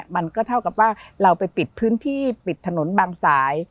มันก็เท่ากับว่าเราไปปิดพื้นที่ปิดถนนบางสาย